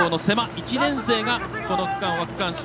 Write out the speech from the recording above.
１年生がこの区間は区間賞。